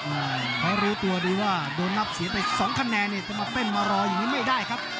เขารู้ตัวดีว่าโดนนับเสียไปสองคะแนนเนี่ยจะมาเต้นมารออย่างนี้ไม่ได้ครับ